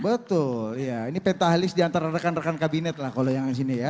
betul ini pentahelix di antara rekan rekan kabinet lah kalau yang disini ya